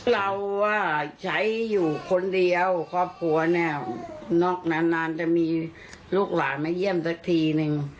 เราใช้อยู่คนเดียวครอบครัวเนี่ยนอกนานจะมีลูกหลานมาเยี่ยมสักทีนึง